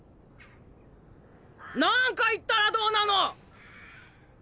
何か言ったらどうなの！